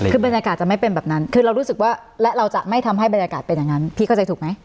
คือบรรยากาศจะไม่เป็นแบบนั้นคือเรารู้สึกว่าและเราจะไม่ทำให้บรรยากาศเป็นอย่างนั้นพี่เข้าใจถูกไหม